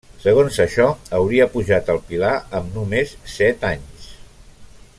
Segons això, hauria pujat al pilar amb només set anys.